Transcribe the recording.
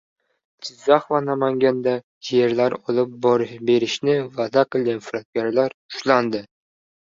Jizzax va Namanganda yer olib berishni va’da qilgan firibgarlar ushlandi